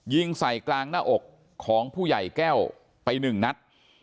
ยิงใส่กลางหน้าอกของผู้ใหญ่แก้วไปหนึ่งนัด